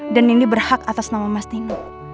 dan nindi berhak atas nama mas nino